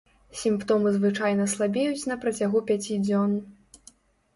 Сімптомы звычайна слабеюць на працягу пяці дзён.